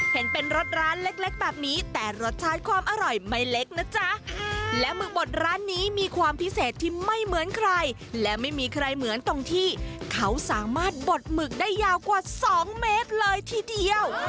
เห็นเป็นรสร้านเล็กแบบนี้แต่รสชาติความอร่อยไม่เล็กนะจ๊ะและหมึกบดร้านนี้มีความพิเศษที่ไม่เหมือนใครและไม่มีใครเหมือนตรงที่เขาสามารถบดหมึกได้ยาวกว่า๒เมตรเลยทีเดียว